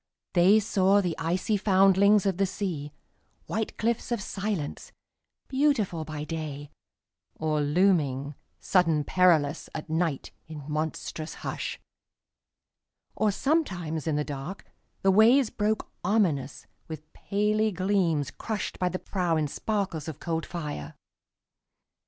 They saw the icy foundlings of the sea, White cliffs of silence, beautiful by day, Or looming, sudden perilous, at nightIn monstrous hush; or sometimes in the darkThe waves broke ominous with paly gleamsCrushed by the prow in sparkles of cold fire.